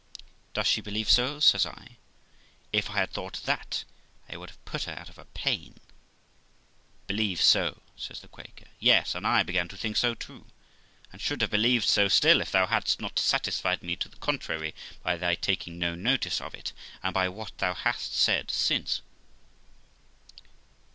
'Does she believe so?' says I; 'if I had thought that, I would have put her out of her pain.' 'Believe so!' says the Quaker? 'yes, and I began to think so too, and should have believed so still, if thou had'st not satisfied me to the contrary by thy taking no notice of it, and by what thou hast said since.'